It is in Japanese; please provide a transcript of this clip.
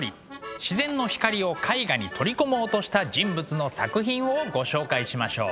自然の光を絵画に取り込もうとした人物の作品をご紹介しましょう。